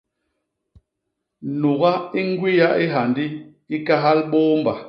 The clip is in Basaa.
Nuga i ñgwiya i hyandi i kahal bôômba.